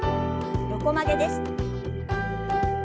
横曲げです。